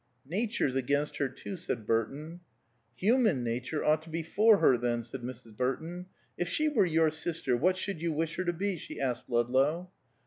"Nature's against her, too," said Burton. "Human nature ought to be for her, then," said Mrs. Burton. "If she were your sister what should you wish her to be?" she asked Ludlow.